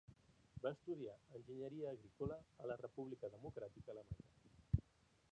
Va estudiar enginyeria agrícola a la República Democràtica Alemanya.